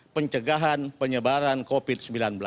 pencegahan penyebaran covid sembilan belas